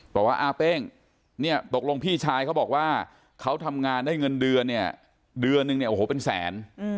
บอกว่าอาเป้งเนี่ยตกลงพี่ชายเขาบอกว่าเขาทำงานได้เงินเดือนเนี่ยเดือนนึงเนี่ยโอ้โหเป็นแสน